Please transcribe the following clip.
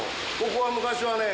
ここは昔はね。